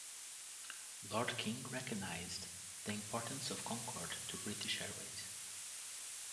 Lord King recognised the importance of Concorde to British Airways.